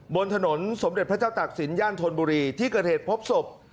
บนถนนสมเด็จพระเจ้าตักศิลปย่านธนบุรีที่เกิดเหตุพบศพ